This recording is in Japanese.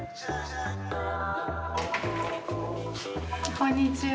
こんにちは。